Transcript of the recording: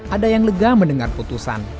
ada yang lega mendengar putusan